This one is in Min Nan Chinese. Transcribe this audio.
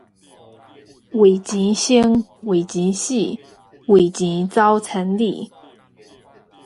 為錢生，為錢死，為錢走千里